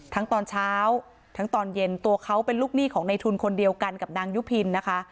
ตอนเช้าทั้งตอนเย็นตัวเขาเป็นลูกหนี้ของในทุนคนเดียวกันกับนางยุพินนะคะ